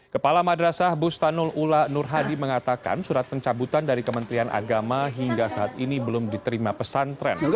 kepala madrasah bustanul ula nur hadi mengatakan surat pencabutan dari kementerian agama hingga saat ini belum diterima pesantren